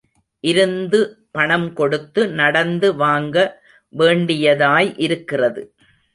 இருந்து பணம் கொடுத்து நடந்து வாங்க வேண்டியதாய் இருக்கிறது.